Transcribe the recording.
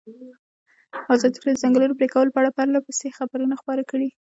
ازادي راډیو د د ځنګلونو پرېکول په اړه پرله پسې خبرونه خپاره کړي.